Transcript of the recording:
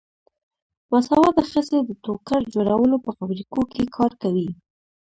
باسواده ښځې د ټوکر جوړولو په فابریکو کې کار کوي.